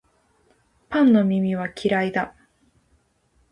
パンの耳は嫌いだ